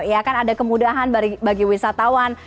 ya kan ada kemudahan bagi wisatawan